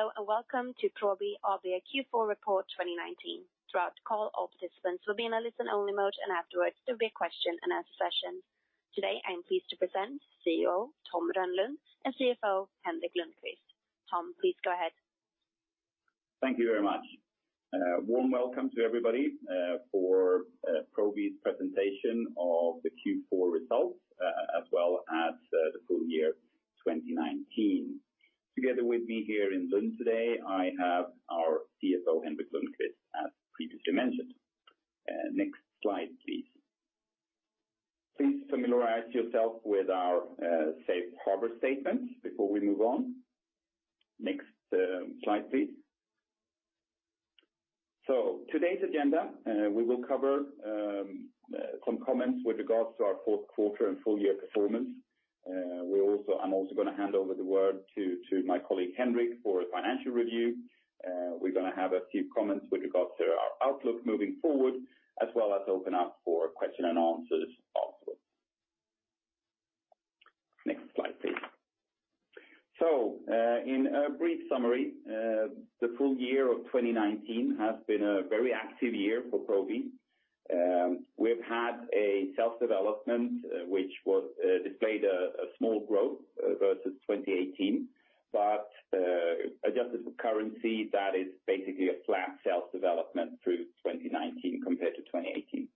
Hello, and welcome to Probi AB Q4 report 2019. Throughout the call, all participants will be in a listen-only mode, and afterwards there will be a question and answer session. Today, I am pleased to present CEO Tom Rönnlund and CFO Henrik Lundkvist. Tom, please go ahead. Thank you very much. Warm welcome to everybody for Probi's presentation of the Q4 results, as well as the full year 2019. Together with me here in Lund today, I have our CFO, Henrik Lundkvist, as previously mentioned. Next slide, please. Please familiarize yourself with our safe harbor statement before we move on. Next slide, please. Today's agenda, we will cover some comments with regards to our fourth quarter and full year performance. I'm also going to hand over the word to my colleague, Henrik, for a financial review. We're going to have a few comments with regards to our outlook moving forward, as well as open up for question and answers also. Next slide, please. In a brief summary, the full year of 2019 has been a very active year for Probi. We've had a sales development which displayed a small growth versus 2018. Adjusted for currency, that is basically a flat sales development through 2019 compared to 2018.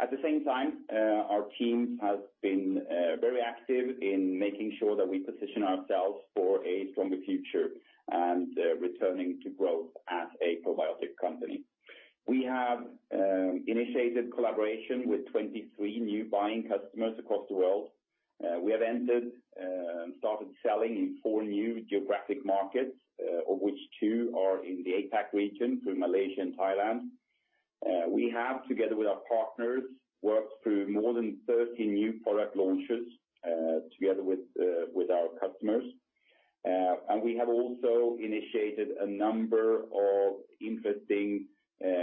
At the same time, our teams have been very active in making sure that we position ourselves for a stronger future and returning to growth as a probiotic company. We have initiated collaboration with 23 new buying customers across the world. We have entered and started selling in four new geographic markets, of which two are in the APAC region, through Malaysia and Thailand. We have, together with our partners, worked through more than 30 new product launches together with our customers. We have also initiated a number of interesting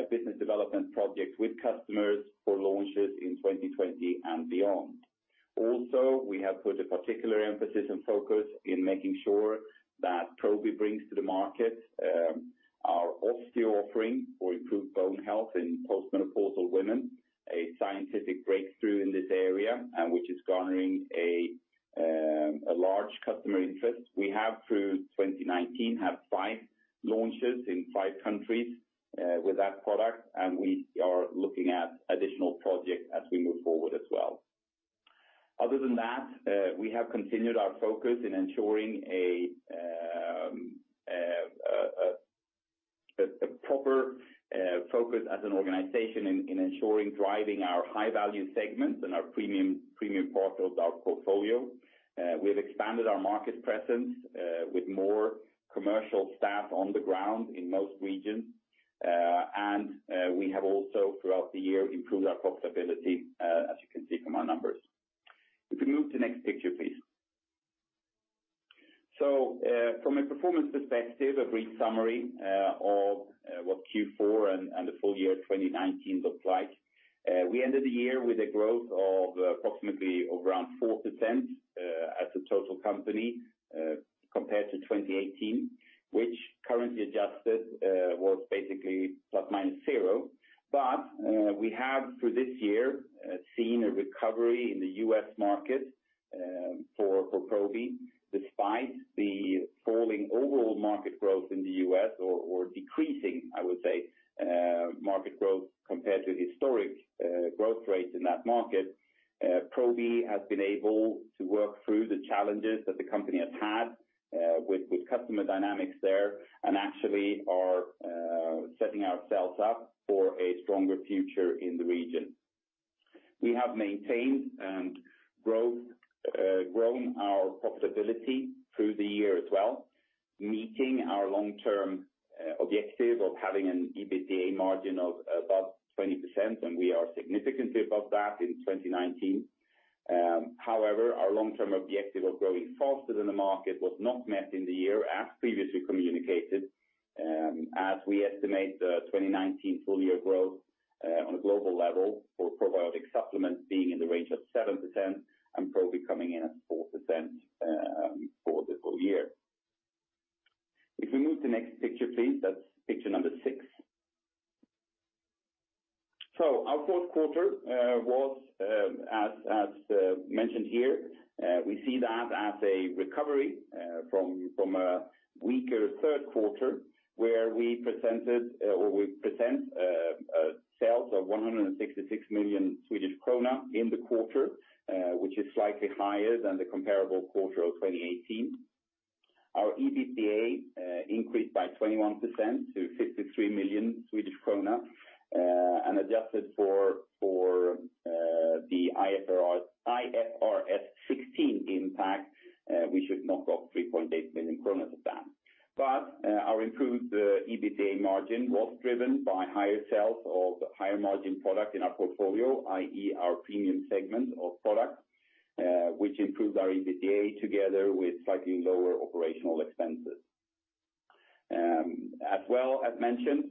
business development projects with customers for launches in 2020 and beyond. We have put a particular emphasis and focus in making sure that Probi brings to the market our Probi Osteo offering for improved bone health in post-menopausal women, a scientific breakthrough in this area, and which is garnering a large customer interest. We have, through 2019, had five launches in five countries with that product. We are looking at additional projects as we move forward as well. Other than that, we have continued our focus in ensuring a proper focus as an organization in ensuring driving our high-value segments and our premium portfolio. We have expanded our market presence with more commercial staff on the ground in most regions. We have also, throughout the year, improved our profitability, as you can see from our numbers. If we move to next picture, please. From a performance perspective, a brief summary of what Q4 and the full year 2019 looked like. We ended the year with a growth of approximately around 4% as a total company compared to 2018. Which currently adjusted was basically plus minus zero. We have, through this year, seen a recovery in the U.S. market for Probi. Despite the falling overall market growth in the U.S. or decreasing, I would say, market growth compared to historic growth rates in that market, Probi has been able to work through the challenges that the company has had with customer dynamics there and actually are setting ourselves up for a stronger future in the region. We have maintained and grown our profitability through the year as well, meeting our long-term objective of having an EBITDA margin of above 20%, and we are significantly above that in 2019. However, our long-term objective of growing faster than the market was not met in the year as previously communicated, as we estimate the 2019 full-year growth on a global level for probiotic supplements being in the range of 7% and Probi coming in at 4% for the full year. If we move to next picture, please. That's picture number 6. Our fourth quarter was as mentioned here, we see that as a recovery from a weaker third quarter, where we present sales of 166 million Swedish krona in the quarter, which is slightly higher than the comparable quarter of 2018. Our EBITDA increased by 21% to 53 million Swedish krona, adjusted for the IFRS 16 impact, we should knock off 3.8 million kronor of that. Our improved EBITDA margin was driven by higher sales of higher margin product in our portfolio, i.e. our premium segment of product, which improved our EBITDA together with slightly lower operational expenses. As well as mentioned,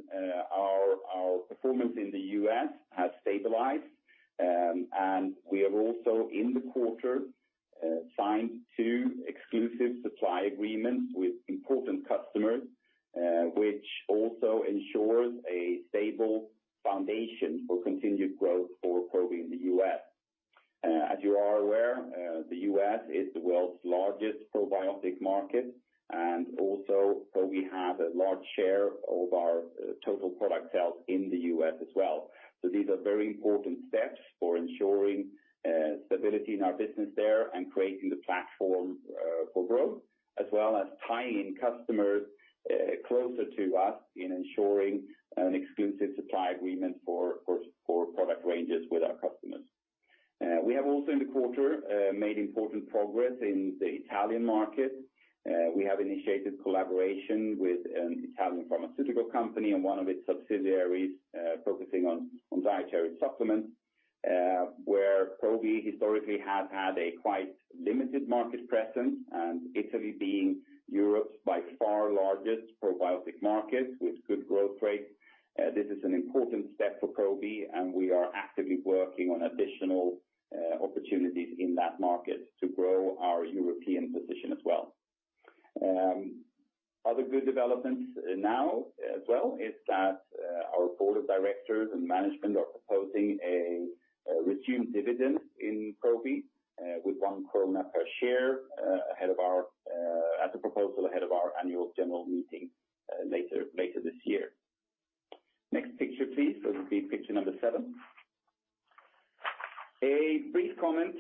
performance in the U.S. has stabilized, and we have also, in the quarter, signed two exclusive supply agreements with important customers, which also ensures a stable foundation for continued growth for Probi in the U.S. As you are aware, the U.S. is the world's largest probiotic market, and also, Probi has a large share of our total product sales in the U.S. as well. These are very important steps for ensuring stability in our business there and creating the platform for growth, as well as tying customers closer to us in ensuring an exclusive supply agreement for product ranges with our customers. We have also, in the quarter, made important progress in the Italian market. We have initiated collaboration with an Italian pharmaceutical company and one of its subsidiaries focusing on dietary supplements, where Probi historically has had a quite limited market presence, and Italy being Europe's by far largest probiotic market with good growth rates. This is an important step for Probi, and we are actively working on additional opportunities in that market to grow our European position as well. Other good developments now as well is that our board of directors and management are proposing a resumed dividend in Probi with 1 krona per share as a proposal ahead of our annual general meeting later this year. Next picture, please. It will be picture number 7. A brief comment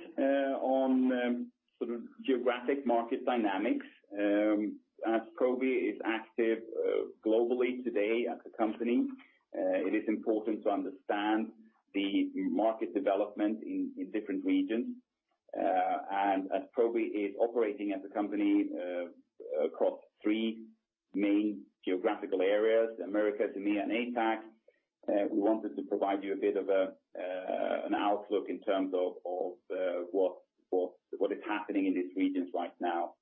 on sort of geographic market dynamics. As Probi is active globally today as a company, it is important to understand the market development in different regions. As Probi is operating as a company across three main geographical areas, the Americas, EMEA, and APAC, we wanted to provide you a bit of an outlook in terms of what is happening in these regions right now.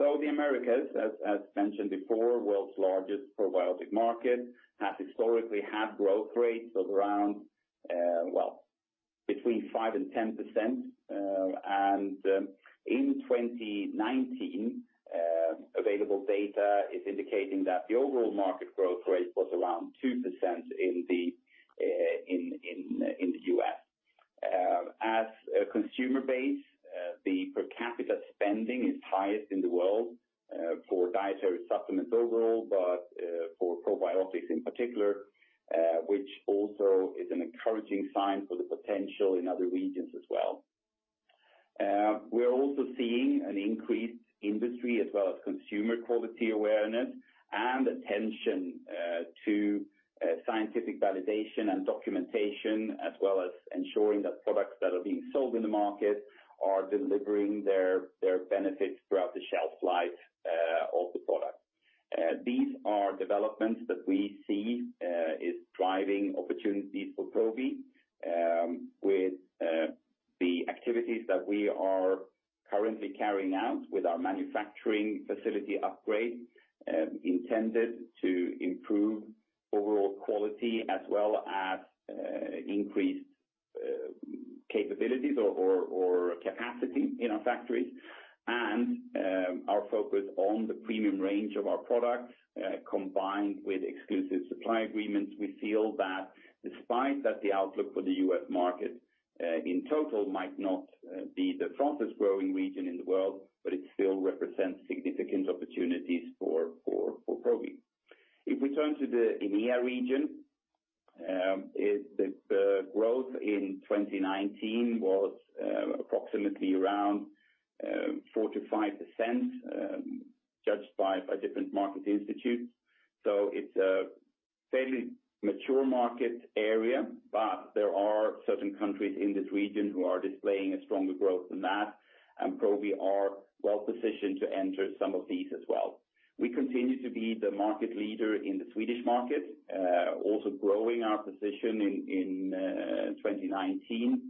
The Americas, as mentioned before, world's largest probiotic market, has historically had growth rates of around, well, between 5% and 10%. In 2019, available data is indicating that the overall market growth rate was around 2% in the U.S. As a consumer base, the per capita spending is highest in the world for dietary supplements overall, but for probiotics in particular, which also is an encouraging sign for the potential in other regions as well. We are also seeing an increased industry as well as consumer quality awareness and attention to scientific validation and documentation, as well as ensuring that products that are being sold in the market are delivering their benefits throughout the shelf life of the product. These are developments that we see is driving opportunities for Probi, with the activities that we are currently carrying out with our manufacturing facility upgrade, intended to improve overall quality as well as increased capabilities or capacity in our factories. Our focus on the premium range of our products, combined with exclusive supply agreements, we feel that despite that the outlook for the U.S. market in total might not be the fastest growing region in the world, but it still represents significant opportunities for Probi. If we turn to the EMEA region, the growth in 2019 was approximately around 4%-5%, judged by different market institutes. It's a fairly mature market area, but there are certain countries in this region who are displaying a stronger growth than that, and Probi are well-positioned to enter some of these as well. We continue to be the market leader in the Swedish market, also growing our position in 2019.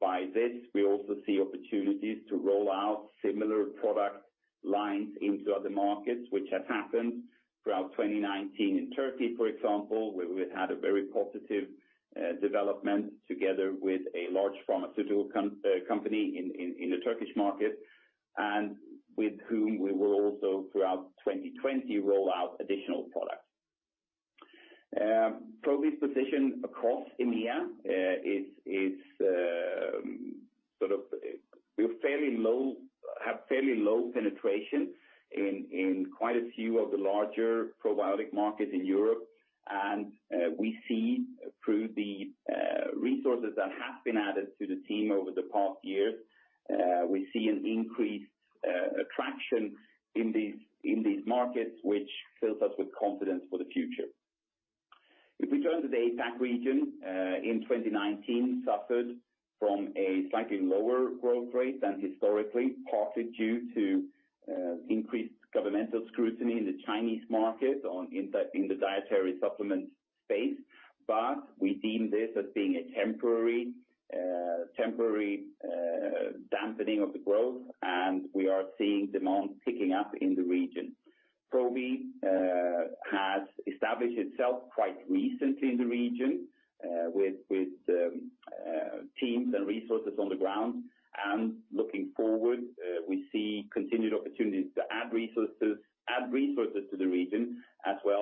By this, we also see opportunities to roll out similar product lines into other markets, which has happened throughout 2019 in Turkey, for example, where we had a very positive development together with a large pharmaceutical company in the Turkish market, and with whom we will also, throughout 2020, roll out additional products. Probi's position across EMEA is sort of, we have fairly low penetration in quite a few of the larger probiotic markets in Europe, and we see through the resources that have been added to the team over the past year, we see an increased attraction in these markets, which fills us with confidence for the future. If we turn to the APAC region, in 2019, suffered from a slightly lower growth rate than historically, partly due to increased governmental scrutiny in the Chinese market in the dietary supplement space. We deem this as being a temporary dampening of the growth, and we are seeing demand picking up in the region. Probi has established itself quite recently in the region with teams and resources on the ground. Looking forward, we see continued opportunities to add resources to the region, as well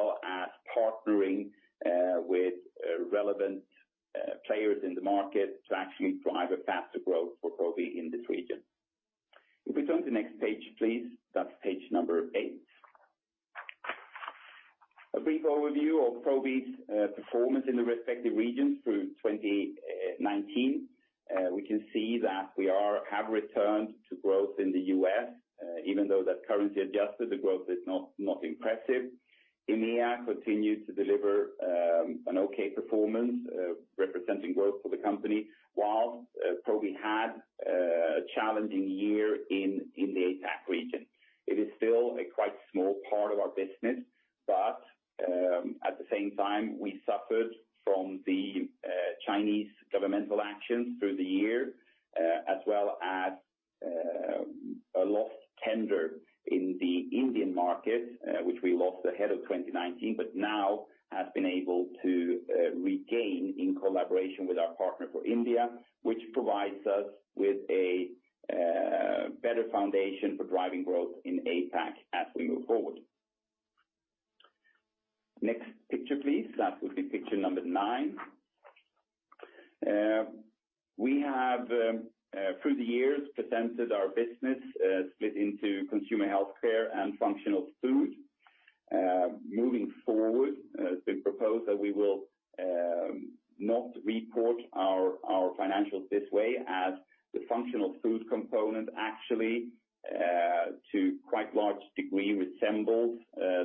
to quite large degree resembles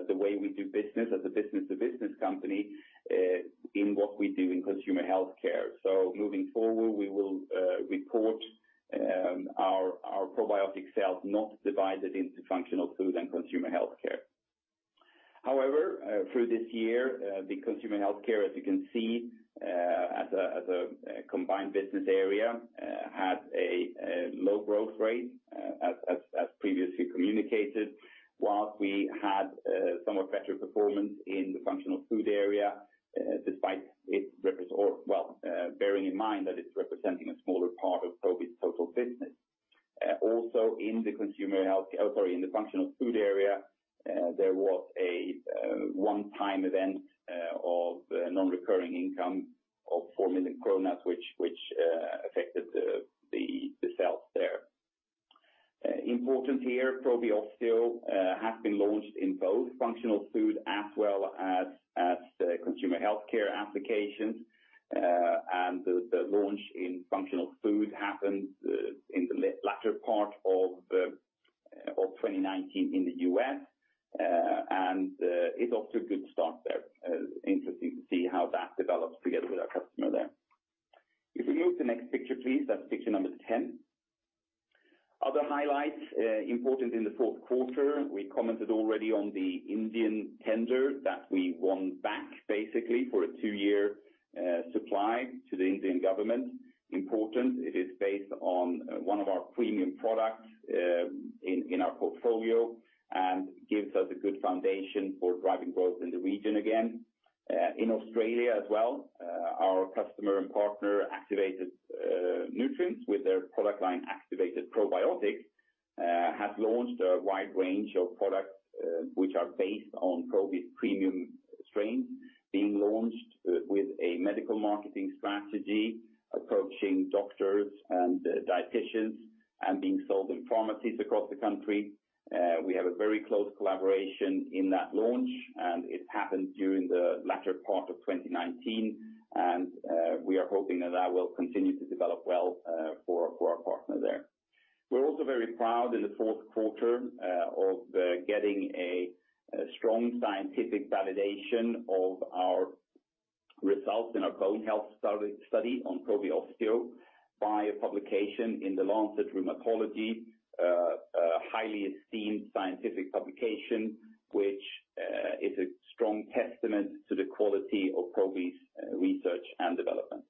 the way we do business as a business-to-business company, in what we do in consumer healthcare. Moving forward, we will report our probiotic sales not divided into functional food and consumer healthcare. However, through this year, the consumer healthcare, as you can see, as a combined business area had a low growth rate as previously communicated, whilst we had somewhat better performance in the functional food area, bearing in mind that it's representing a smaller part of Probi's total business. Also in the functional food area, there was a one-time event of non-recurring income of 4 million kronor, which affected the sales there. Important here, Probi Osteo has been launched in both functional food as well as the consumer healthcare applications. The launch in functional food happened in the latter part of 2019 in the U.S., and it's off to a good start there. Interesting to see how that develops together with our customer there. If we move to the next picture, please. That's picture number 10. Other highlights important in the fourth quarter, we commented already on the Indian tender that we won back basically for a two-year supply to the Indian government. Important, it is based on one of our premium products in our portfolio and gives us a good foundation for driving growth in the region again. In Australia as well, our customer and partner Activated Nutrients with their product line, Activated Probiotics, has launched a wide range of products which are based on Probi's premium strains being launched with a medical marketing strategy, approaching doctors and dieticians, and being sold in pharmacies across the country. We have a very close collaboration in that launch, and it happened during the latter part of 2019, and we are hoping that that will continue to develop well for our partner there. We're also very proud in the fourth quarter of getting a strong scientific validation of our results in our bone health study on Probi Osteo by a publication in The Lancet Rheumatology, a highly esteemed scientific publication, which is a strong testament to the quality of Probi's research and development.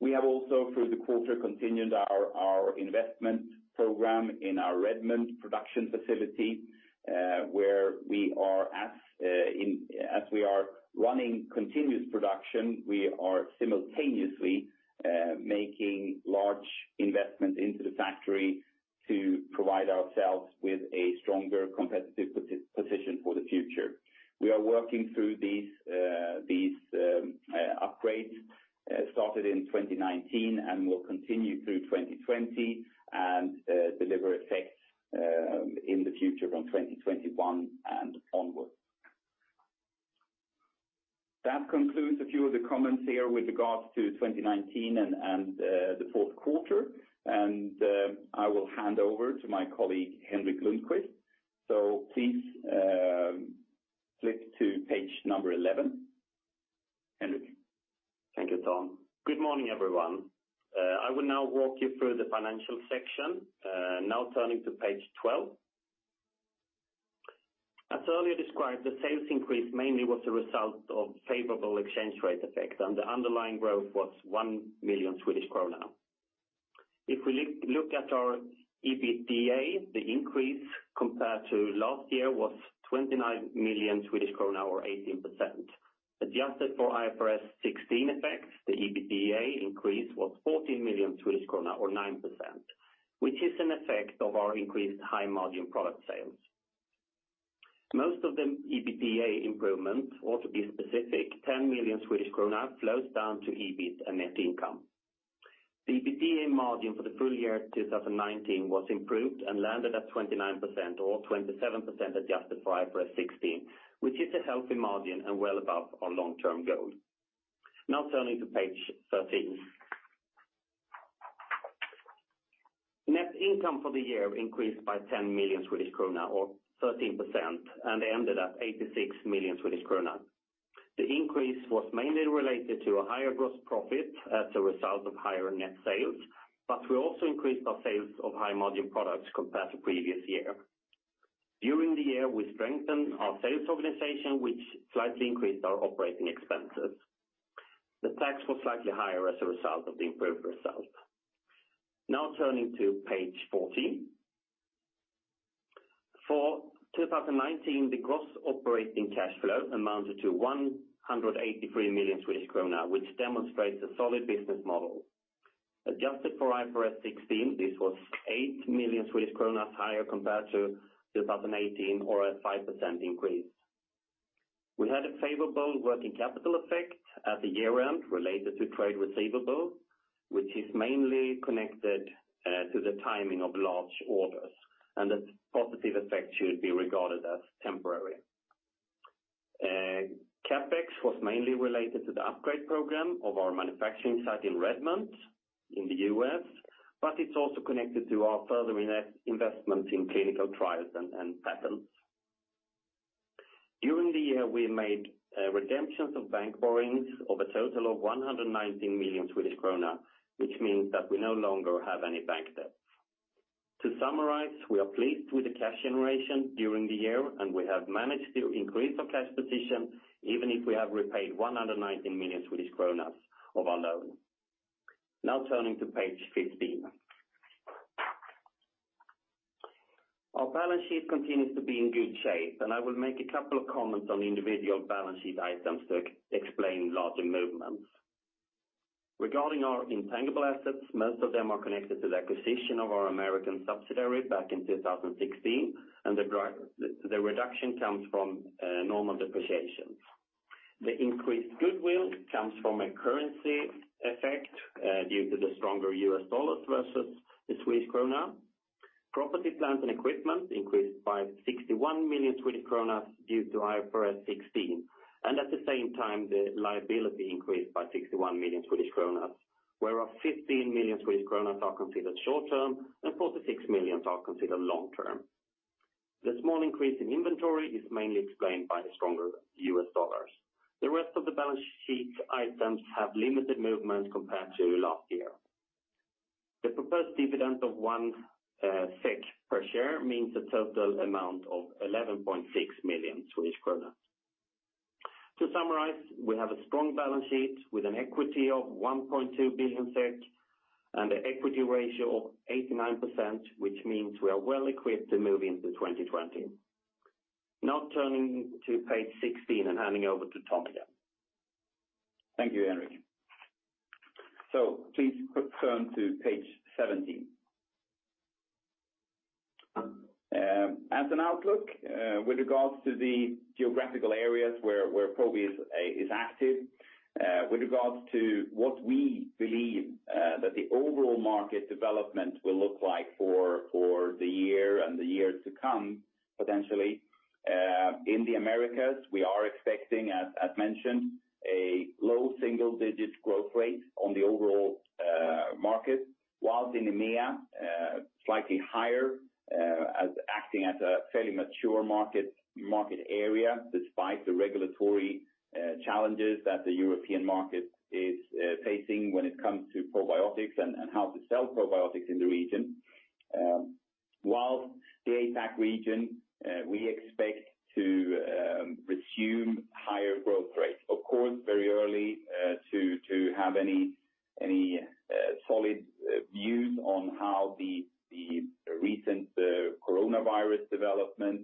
We have also through the quarter continued our investment program in our Redmond production facility, where as we are running continuous production, we are simultaneously making large investments into the factory to provide ourselves with a stronger competitive position for the future. We are working through these upgrades started in 2019 and will continue through 2020 and deliver effects in the future from 2021 and onwards. That concludes a few of the comments here with regards to 2019 and the fourth quarter. I will hand over to my colleague, Henrik Lundkvist. Please flip to page number 11. Henrik. Thank you, Tom. Good morning, everyone. I will now walk you through the financial section. Now turning to page 12. As earlier described, the sales increase mainly was a result of favorable exchange rate effect, and the underlying growth was 1 million Swedish kronor. If we look at our EBITDA, the increase compared to last year was 29 million Swedish krona or 18%. Adjusted for IFRS 16 effects, the EBITDA increase was 14 million Swedish krona or 9%, which is an effect of our increased high-margin product sales. Most of the EBITDA improvements, or to be specific, 10 million Swedish krona, flows down to EBIT and net income. The EBITDA margin for the full year 2019 was improved and landed at 29% or 27% adjusted for IFRS 16, which is a healthy margin and well above our long-term goal. Now turning to page 13. Net income for the year increased by 10 million Swedish krona or 13% and ended at 86 million Swedish krona. The increase was mainly related to a higher gross profit as a result of higher net sales, but we also increased our sales of high-margin products compared to previous year. During the year, we strengthened our sales organization, which slightly increased our operating expenses. The tax was slightly higher as a result of the improved results. Now turning to page 14. For 2019, the gross operating cash flow amounted to 183 million Swedish krona, which demonstrates a solid business model. Adjusted for IFRS 16, this was 8 million Swedish kronor higher compared to 2018 or a 5% increase. We had a favorable working capital effect at the year-end related to trade receivables, which is mainly connected to the timing of large orders, and that positive effect should be regarded as temporary. CapEx was mainly related to the upgrade program of our manufacturing site in Redmond in the U.S., but it's also connected to our further investments in clinical trials and patents. During the year, we made redemptions of bank borrowings of a total of 119 million Swedish krona, which means that we no longer have any bank debt. To summarize, we are pleased with the cash generation during the year, and we have managed to increase our cash position even if we have repaid 119 million Swedish kronor of our loan. Now turning to page 15. Our balance sheet continues to be in good shape, and I will make a couple of comments on individual balance sheet items that explain larger movements. Regarding our intangible assets, most of them are connected to the acquisition of our American subsidiary back in 2016, and the reduction comes from normal depreciation. The increased goodwill comes from a currency effect due to the stronger US dollars versus the Swedish krona. Property, plant, and equipment increased by 61 million Swedish kronor due to IFRS 16, and at the same time, the liability increased by 61 million Swedish kronor, whereas 15 million Swedish kronor are considered short-term and 46 million are considered long-term. The small increase in inventory is mainly explained by the stronger US dollars. The rest of the balance sheet items have limited movement compared to last year. The proposed dividend of 1 SEK per share means a total amount of 11.6 million Swedish kronor. To summarize, we have a strong balance sheet with an equity of 1.2 billion SEK and an equity ratio of 89%, which means we are well equipped to move into 2020. Turning to page 16 and handing over to Tom again. Thank you, Henrik. Please turn to page 17. As an outlook with regards to the geographical areas where Probi is active, with regards to what we believe that the overall market development will look like for the year and the years to come, potentially. In the Americas, we are expecting, as mentioned, a low single-digit growth rate on the overall market, whilst in EMEA, slightly higher as acting as a fairly mature market area despite the regulatory challenges that the European market is facing when it comes to probiotics and how to sell probiotics in the region. The APAC region, we expect to resume higher growth rates. Of course, very early to have any solid views on how the recent coronavirus development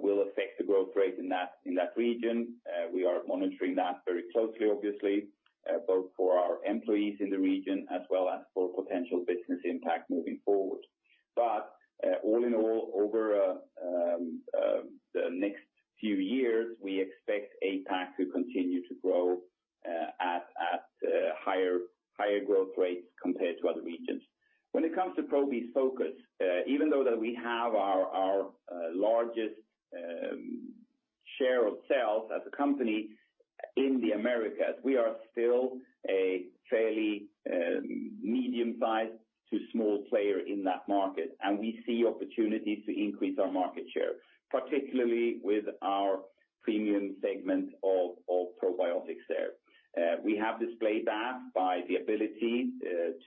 will affect the growth rate in that region. We are monitoring that very closely, obviously, both for our employees in the region as well as for potential business impact moving forward. All in all, over the next few years, we expect APAC to continue to grow at higher growth rates compared to other regions. When it comes to Probi's focus, even though that we have our largest share of sales as a company in the Americas, we are still a fairly medium-sized to small player in that market, and we see opportunities to increase our market share, particularly with our premium segment of probiotics there. We have displayed that by the ability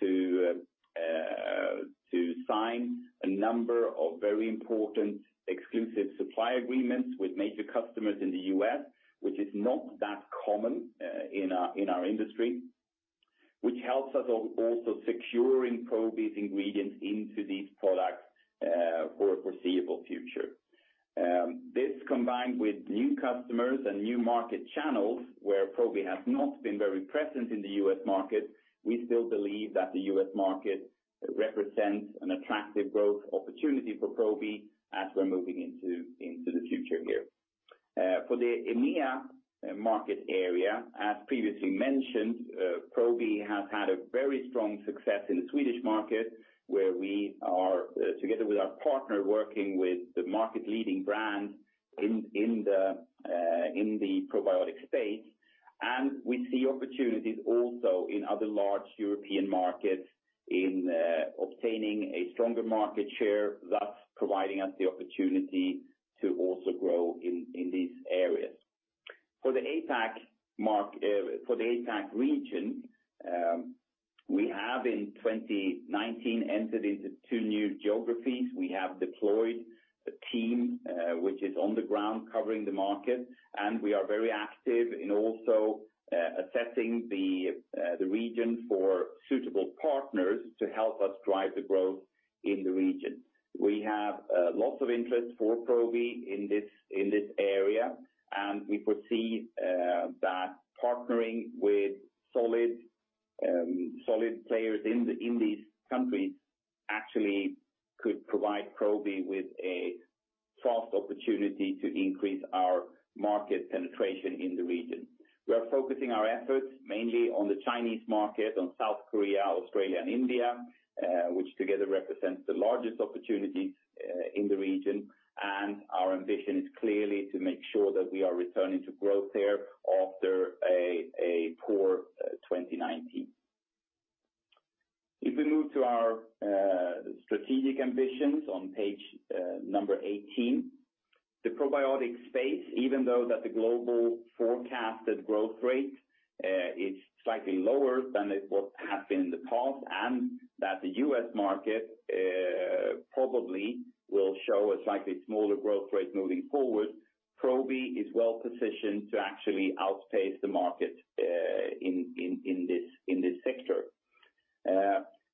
to sign a number of very important exclusive supply agreements with major customers in the U.S., which is not that common in our industry, which helps us on also securing Probi's ingredients into these products for foreseeable future. This combined with new customers and new market channels, where Probi has not been very present in the U.S. market, we still believe that the U.S. market represents an attractive growth opportunity for Probi as we're moving into the future here. For the EMEA market area, as previously mentioned, Probi has had a very strong success in the Swedish market, where we are, together with our partner, working with the market leading brand in the probiotic space. We see opportunities also in other large European markets in obtaining a stronger market share, thus providing us the opportunity to also grow in these areas. For the APAC region, we have in 2019 entered into two new geographies. We have deployed a team, which is on the ground covering the market, and we are very active in also assessing the region for suitable partners to help us drive the growth in the region. We have lots of interest for Probi in this area, and we foresee that partnering with solid players in these countries actually could provide Probi with a fast opportunity to increase our market penetration in the region. We are focusing our efforts mainly on the Chinese market, on South Korea, Australia, and India, which together represents the largest opportunities in the region, and our ambition is clearly to make sure that we are returning to growth there after a poor 2019. If we move to our strategic ambitions on page number 18. The probiotic space, even though that the global forecasted growth rate is slightly lower than it would have been in the past, and that the U.S. market probably will show a slightly smaller growth rate moving forward, Probi is well positioned to actually outpace the market in this sector.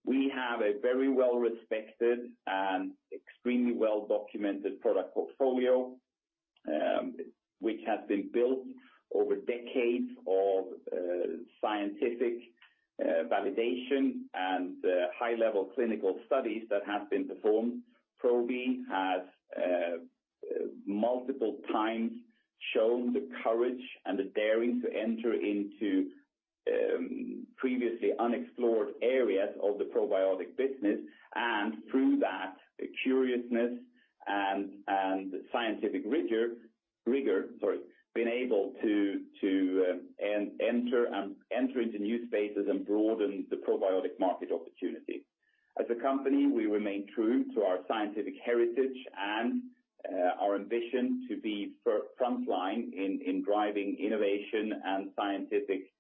We have a very well-respected and extremely well-documented product portfolio, which has been built over decades of scientific validation and high level clinical studies that have been performed. Probi has multiple times shown the courage and the daring to enter into previously unexplored areas of the probiotic business, and through that curiousness and scientific rigor, been able to enter into new spaces and broaden the probiotic market opportunity. As a company, we remain true to our scientific heritage and our ambition to be frontline in driving innovation and scientific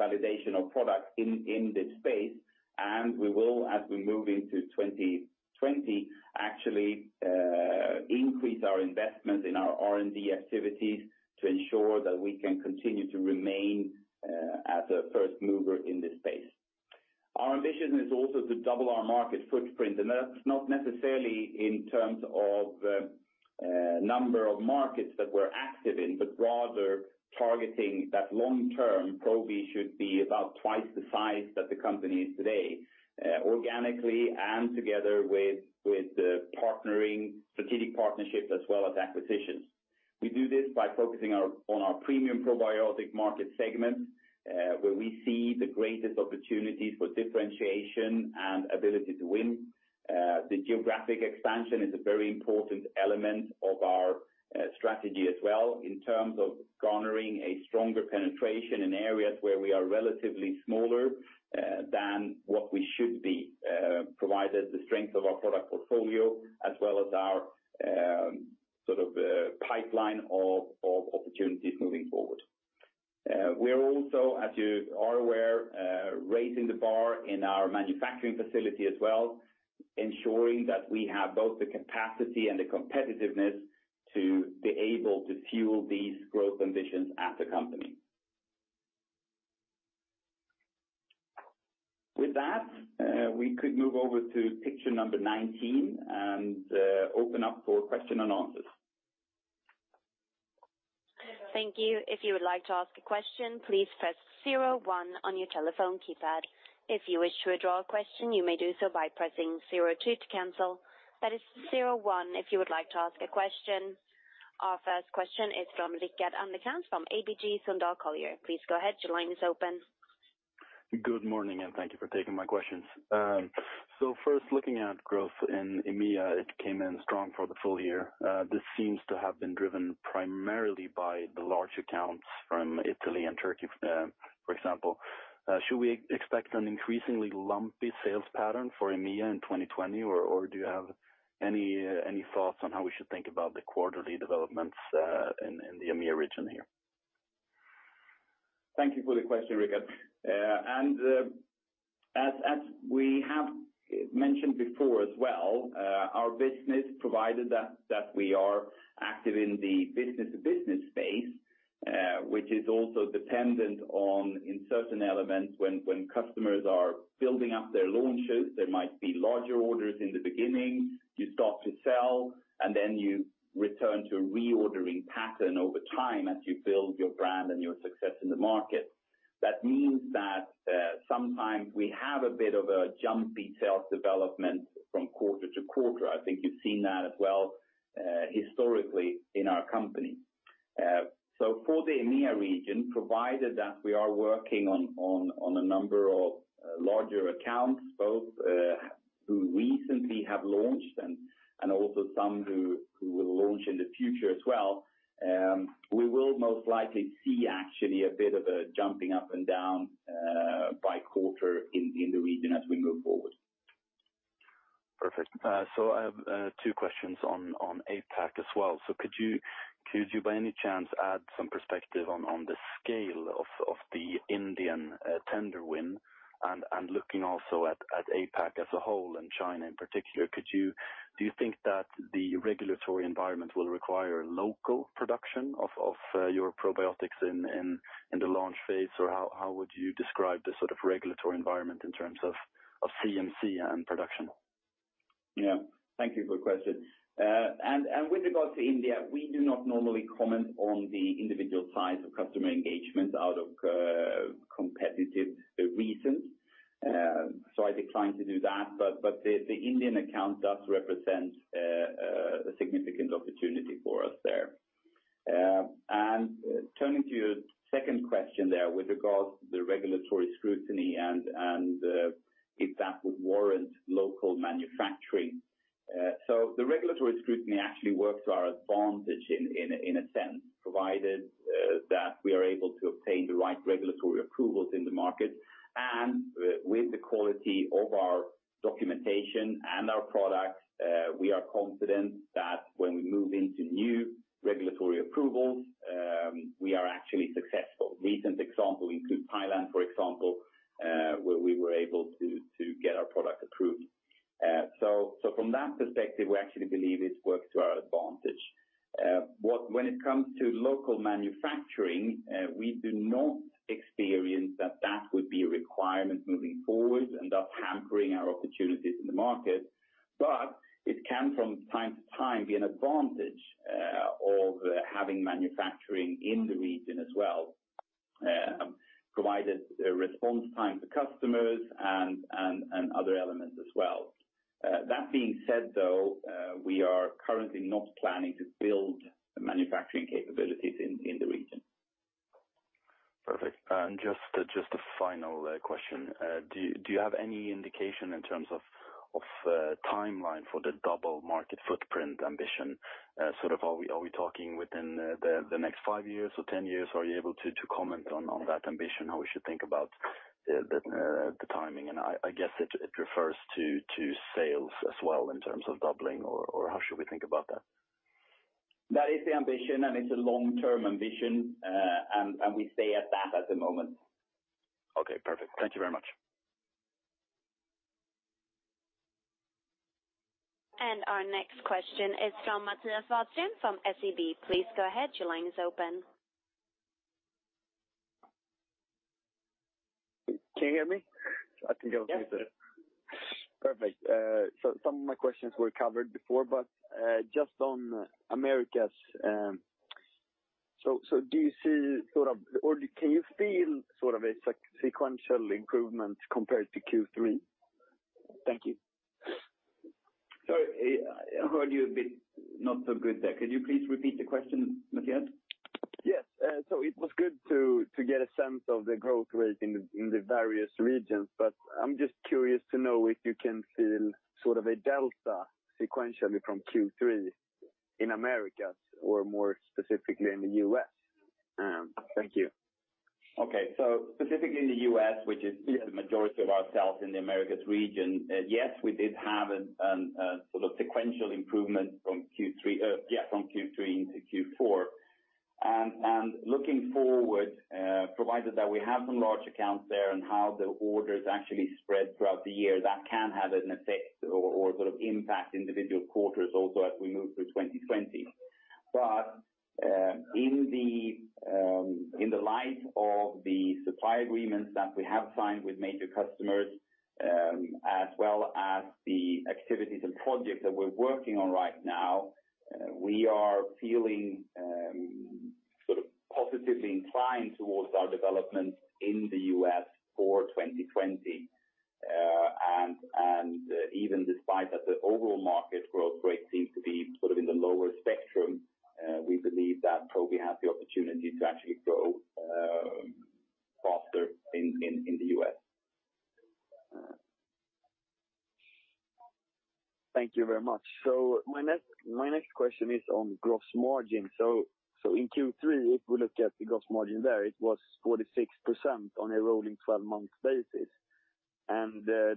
validation of products in this space. We will, as we move into 2020, actually increase our investment in our R&D activities to ensure that we can continue to remain as a first mover in this space. Our ambition is also to double our market footprint, and that's not necessarily in terms of number of markets that we're active in, but rather targeting that long term, Probi should be about twice the size that the company is today, organically and together with partnering strategic partnerships as well as acquisitions. We do this by focusing on our premium probiotic market segment, where we see the greatest opportunities for differentiation and ability to win. The geographic expansion is a very important element of our strategy as well in terms of garnering a stronger penetration in areas where we are relatively smaller than what we should be, provided the strength of our product portfolio as well as our pipeline of opportunities moving forward. We are also, as you are aware, raising the bar in our manufacturing facility as well, ensuring that we have both the capacity and the competitiveness to be able to fuel these growth ambitions as a company. With that, we could move over to picture number 19 and open up for question and answers. Thank you. If you would like to ask a question, please press zero one on your telephone keypad. If you wish to withdraw a question, you may do so by pressing zero two to cancel. That is zero one if you would like to ask a question. Our first question is from Rickard Anderkrans from ABG Sundal Collier. Please go ahead. Your line is open. Good morning. Thank you for taking my questions. First, looking at growth in EMEA, it came in strong for the full year. This seems to have been driven primarily by the large accounts from Italy and Turkey, for example. Should we expect an increasingly lumpy sales pattern for EMEA in 2020, or do you have any thoughts on how we should think about the quarterly developments in the EMEA region here? Thank you for the question, Rickard. As we have mentioned before as well, our business, provided that we are active in the business-to-business space, which is also dependent on, in certain elements, when customers are building up their launches, there might be larger orders in the beginning. You start to sell, and then you return to a reordering pattern over time as you build your brand and your success in the market. That means that sometimes we have a bit of a jumpy sales development from quarter to quarter. I think you've seen that as well historically in our company. For the EMEA region, provided that we are working on a number of larger accounts, both who recently have launched and also some who will launch in the future as well, we will most likely see actually a bit of a jumping up and down by quarter in the region as we move forward. Perfect. I have two questions on APAC as well. Could you by any chance add some perspective on the scale of the Indian tender win? Looking also at APAC as a whole and China in particular, do you think that the regulatory environment will require local production of your probiotics in the launch phase? How would you describe the sort of regulatory environment in terms of CMC and production? Yeah. Thank you for the question. With regards to India, we do not normally comment on the individual size of customer engagements out of competitive reasons. I decline to do that, but the Indian account does represent a significant opportunity for us there. Turning to your second question there with regards to the regulatory scrutiny and if that would warrant local manufacturing. The regulatory scrutiny actually works to our advantage in a sense, provided that we are able to obtain the right regulatory approvals in the market. With the quality of our documentation and our products, we are confident that when we move into new regulatory approvals, we are actually successful. Recent example include Thailand, for example, where we were able to get our product approved. From that perspective, we actually believe it works to our advantage. When it comes to local manufacturing, we do not experience that that would be a requirement moving forward and thus hampering our opportunities in the market. It can, from time to time, be an advantage of having manufacturing in the region as well, provided response time to customers and other elements as well. That being said, though, we are currently not planning to build manufacturing capabilities in the region. Perfect. Just a final question. Do you have any indication in terms of timeline for the double market footprint ambition? Sort of are we talking within the next five years or 10 years? Are you able to comment on that ambition, how we should think about the timing? I guess it refers to sales as well in terms of doubling, or how should we think about that? That is the ambition, and it's a long-term ambition, and we stay at that at the moment. Okay, perfect. Thank you very much. Our next question is from [Mattias Wallström] from SEB. Please go ahead. Your line is open. Can you hear me? I think I was muted. Yes. Perfect. Some of my questions were covered before, but just on Americas. Do you see sort of, or can you feel sort of a sequential improvement compared to Q3? Thank you. Sorry, I heard you a bit not so good there. Could you please repeat the question, Mattias? Yes. It was good to get a sense of the growth rate in the various regions, but I'm just curious to know if you can feel sort of a delta sequentially from Q3 in Americas, or more specifically in the U.S. Thank you. Okay. Specifically in the U.S., which is the majority of our sales in the Americas region, yes, we did have a sort of sequential improvement from Q3 into Q4. Looking forward, provided that we have some large accounts there and how the orders actually spread throughout the year, that can have an effect or sort of impact individual quarters also as we move through 2020. In the light of the supply agreements that we have signed with major customers, as well as the activities and projects that we're working on right now, we are feeling sort of positively inclined towards our development in the U.S. for 2020. Even despite that the overall market growth rate seems to be sort of in the lower spectrum, we believe that we have the opportunity to actually grow faster in the U.S. Thank you very much. My next question is on gross margin. In Q3, if we look at the gross margin there, it was 46% on a rolling 12-month basis.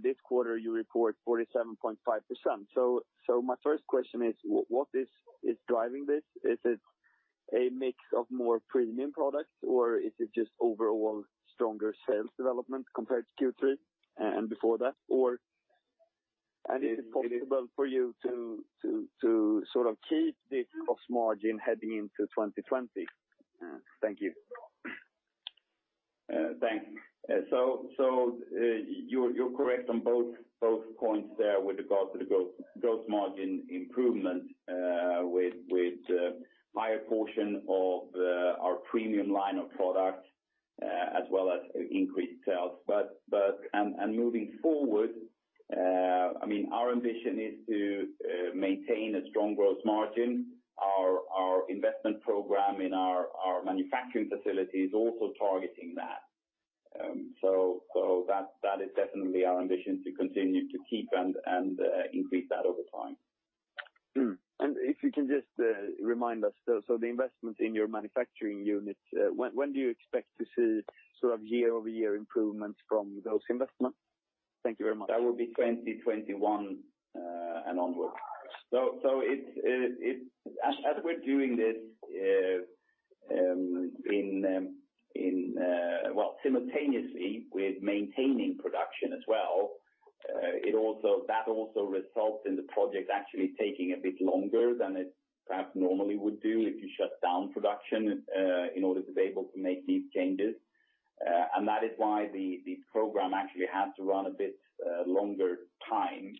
This quarter you report 47.5%. My first question is, what is driving this? Is it a mix of more premium products, or is it just overall stronger sales development compared to Q3 and before that? Is it possible for you to keep this gross margin heading into 2020? Thank you. Thanks. You're correct on both points there with regard to the gross margin improvement with the higher portion of our premium line of products as well as increased sales. Moving forward our ambition is to maintain a strong gross margin. Our investment program in our manufacturing facility is also targeting that. That is definitely our ambition to continue to keep and increase that over time. If you can just remind us, so the investment in your manufacturing unit, when do you expect to see year-over-year improvements from those investments? Thank you very much. That will be 2021 and onwards. As we're doing this simultaneously with maintaining production as well, that also results in the project actually taking a bit longer than it perhaps normally would do if you shut down production in order to be able to make these changes. That is why the program actually had to run a bit longer time.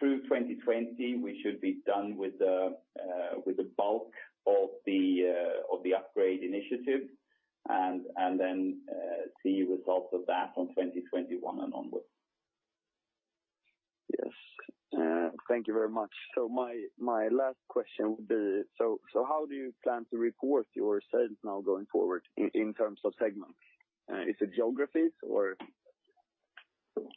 Through 2020, we should be done with the bulk of the upgrade initiative, and then see results of that from 2021 and onwards. Yes. Thank you very much. My last question would be, so how do you plan to report your sales now going forward in terms of segments? Is it geographies or?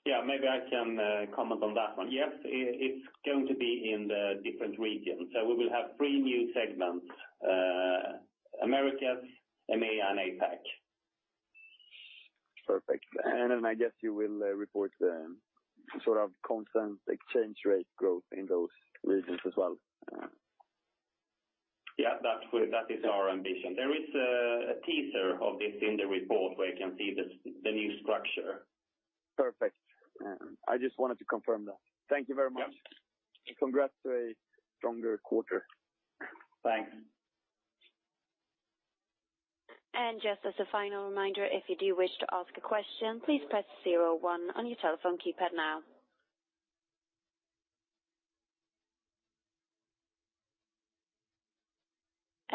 Yeah, maybe I can comment on that one. Yes, it's going to be in the different regions. We will have three new segments. Americas, EMEA, and APAC. Perfect. I guess you will report the constant exchange rate growth in those regions as well. Yeah, that is our ambition. There is a teaser of this in the report where you can see the new structure. Perfect. I just wanted to confirm that. Thank you very much. Yeah. Congrats to a stronger quarter. Thanks. Just as a final reminder, if you do wish to ask a question, please press zero one on your telephone keypad now.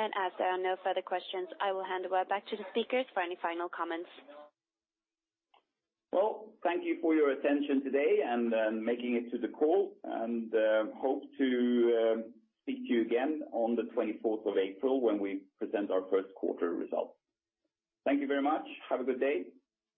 As there are no further questions, I will hand it back to the speakers for any final comments. Well, thank you for your attention today and making it to the call, and hope to speak to you again on the 24th of April when we present our first quarter results. Thank you very much. Have a good day.